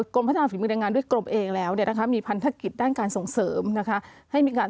กรมพัฒนาฝีมือแรงงานด้วยกรมเองแล้วเนี่ยนะคะมีพันธกิจด้านการส่งเสริมนะคะให้มีการ